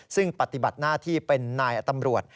ซึ่งปฏิบัติหน้าที่เป็นนายตำรวจ